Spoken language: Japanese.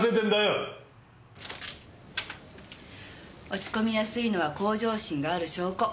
落ち込みやすいのは向上心がある証拠。